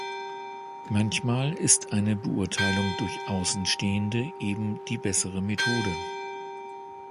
Manchmal ist eine Beurteilung durch Außenstehende eben die bessere Methode.